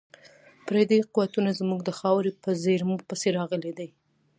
پردي قوتونه زموږ د خاورې په زیرمو پسې راغلي دي.